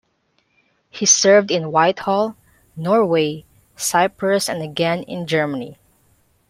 He served in Whitehall, Norway, Cyprus and again in Germany.